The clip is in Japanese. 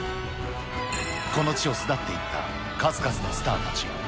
この地を巣立っていった数々のスターたち。